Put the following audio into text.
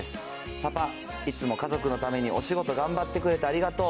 パパ、いつも家族のためにお仕事頑張ってくれてありがとう。